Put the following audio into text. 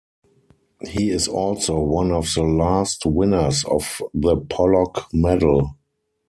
He is also one of the last winners of the Pollock Medal.